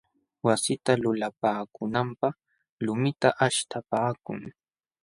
Wasita lulapaakunanpaq lumita aśhtapaakun.